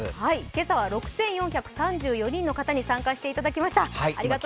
今朝は６４３４人の方に参加していただきました。